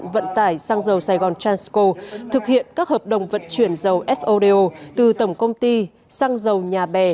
vận tải sang dầu sài gòn transco thực hiện các hợp đồng vận chuyển dầu fodo từ tổng công ty sang dầu nhà bè